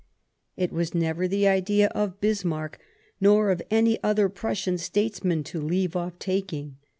It was never the idea of Bismarck nor of any other Prussian statesman to leave off taking.